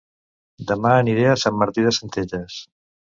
Dema aniré a Sant Martí de Centelles